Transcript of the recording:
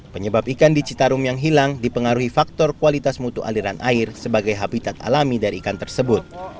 penyebab ikan di citarum yang hilang dipengaruhi faktor kualitas mutu aliran air sebagai habitat alami dari ikan tersebut